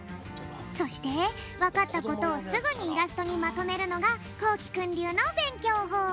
そしてわかったことをすぐにイラストにまとめるのがこうきくんりゅうのべんきょうほう。